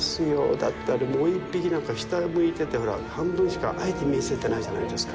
だって、あれ、もう１匹、なんか下を向いてて、ほら、半分しかあえて見せてないじゃないですか。